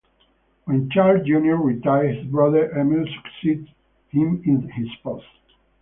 When Charles Junior retired, his brother Emil succeeded him in his post.